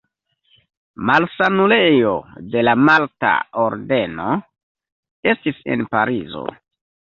Malsanulejo de la Malta Ordeno estis en Parizo.